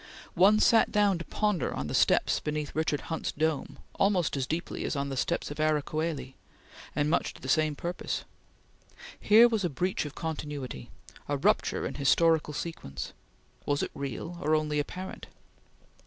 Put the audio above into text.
One sat down to ponder on the steps beneath Richard Hunt's dome almost as deeply as on the steps of Ara Coeli, and much to the same purpose. Here was a breach of continuity a rupture in historical sequence! Was it real, or only apparent?